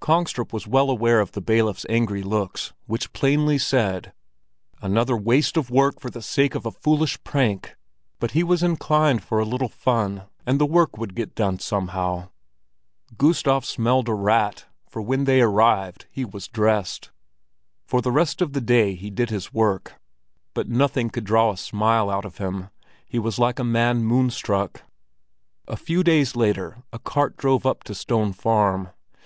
Kongstrup was well aware of the bailiff's angry looks, which plainly said, "Another waste of work for the sake of a foolish prank!" But he was inclined for a little fun, and the work would get done somehow. Gustav had smelt a rat, for when they arrived he was dressed. For the rest of the day he did his work, but nothing could draw a smile out of him. He was like a man moonstruck. A few days later a cart drove up to Stone Farm.